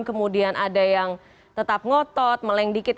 kemudian ada yang tetap ngotot meleng dikit